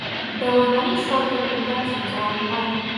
There were many short-lived inventions along the way.